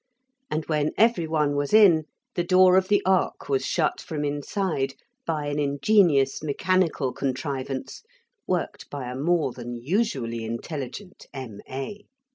And when every one was in, the door of the ark was shut from inside by an ingenious mechanical contrivance worked by a more than usually intelligent M.A.